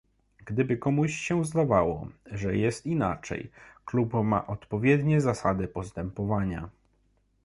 Gdyby komuś się zdawało, że jest inaczej, klub ma odpowiednie zasady postępowania